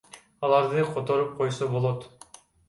Аларды которуп койсо болот.